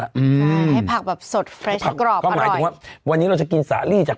อืมใช่ให้ผักแบบสดไฟกรอบก็หมายถึงว่าวันนี้เราจะกินสาลีจาก